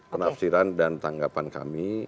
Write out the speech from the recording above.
penafsiran dan tanggapan kami